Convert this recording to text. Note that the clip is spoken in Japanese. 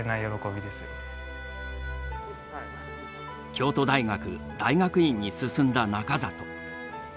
京都大学大学院に進んだ中里。